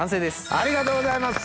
ありがとうございます。